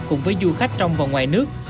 cùng với du khách trong và ngoài nước